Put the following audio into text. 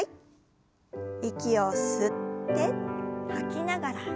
息を吸って吐きながら横へ。